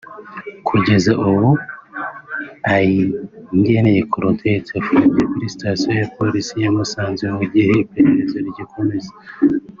Kugeza ubu Ayingeneye Claudette afungiye kuri Station ya Polisi ya Musange mu gihe iperereza rigikomeza